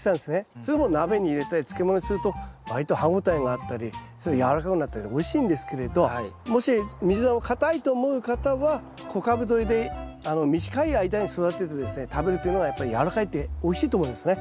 それを鍋に入れたり漬物にすると割と歯応えがあったりやわらかくなったりとおいしいんですけれどもしミズナを硬いと思う方は小株どりで短い間に育ててですね食べるというのがやっぱりやわらかくておいしいと思うんですね。